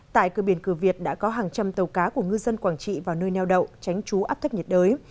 tại cửa biển cửa việt đã có hàng trăm tàu cá của ngư dân quảng trị vào nơi neo đậu tránh trú áp thấp nhiệt đới